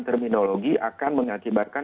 terminologi akan mengakibatkan